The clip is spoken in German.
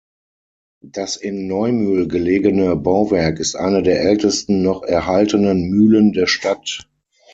Das in Neumühl gelegene Bauwerk ist eine der ältesten noch erhaltenen Mühlen der Stadt.